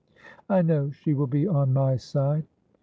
' I know she will be on my side.'